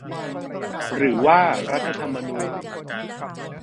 หรือว่า รัฐธรรมนูญ